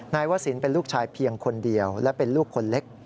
วสินเป็นลูกชายเพียงคนเดียวและเป็นลูกคนเล็ก